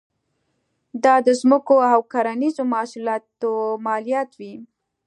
دا د ځمکو او کرنیزو محصولاتو مالیات وې.